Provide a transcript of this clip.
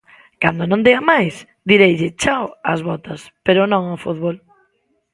Cando non dea máis direille "chao" ás botas, pero non ao fútbol.